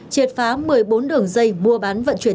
triệt phá một mươi bốn đường dây mua bán vận chuyển